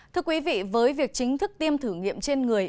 thưa quý vị với việc chính thức tiêm thử nghiệm trên người